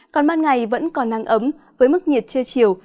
còn ban ngày vẫn còn nắng ấm với mức nhiệt chưa chiều